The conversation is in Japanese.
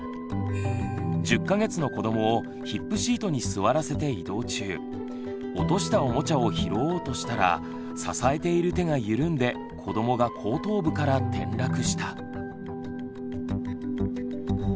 １０か月の子どもをヒップシートに座らせて移動中落としたおもちゃを拾おうとしたら支えている手が緩んで子どもが後頭部から転落した。